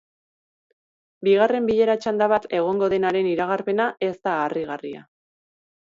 Bigarren bilera txanda bat egongo denaren iragarpena ez da harrigarria.